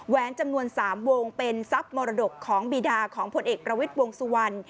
จำนวน๓วงเป็นทรัพย์มรดกของบีดาของผลเอกประวิทย์วงสุวรรณ